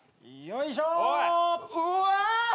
うわ！